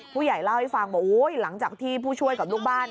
ผู้ใหญ่เล่าให้ฟังบอกโอ้ยหลังจากที่ผู้ช่วยกับลูกบ้าน